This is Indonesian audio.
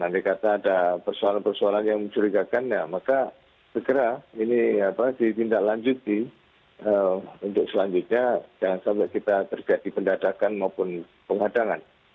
andai kata ada persoalan persoalan yang mencurigakan ya maka segera ini ditindaklanjuti untuk selanjutnya jangan sampai kita terjadi pendadakan maupun pengadangan